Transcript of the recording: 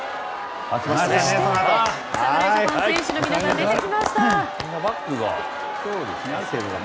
侍ジャパンの選手の皆さんが出てきました。